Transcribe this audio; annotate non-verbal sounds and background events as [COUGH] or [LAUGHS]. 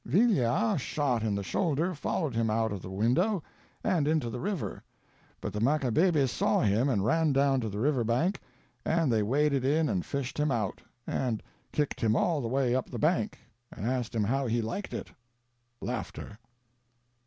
"Villia, shot in the shoulder, followed him out of the window and into the river, but the Macabebes saw him and ran down to the river bank, and they waded in and fished him out, and kicked him all the way up the bank, and asked him how he liked it." [LAUGHS]